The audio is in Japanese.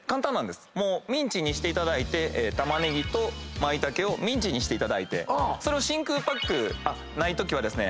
もうミンチにしていただいて玉ねぎとマイタケをミンチにしてそれを真空パックないときはですね